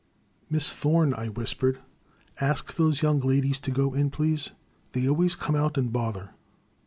''Miss Thome,'* I whispered, *'ask those young ladies to go in, please. They always come and bother.